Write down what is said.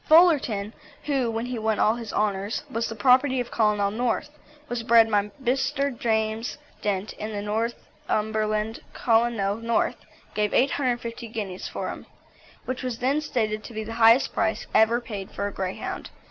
Fullerton, who, when he won all his honours, was the property of Colonel North, was bred by Mr. James Dent in Northumberland. Colonel North gave 850 guineas for him, which was then stated to be the highest price ever paid for a Greyhound.